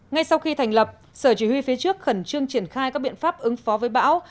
ngay sau khi thành lập sở chỉ huy phía trước khẩn trương triển khai các biện pháp ứng phó với bão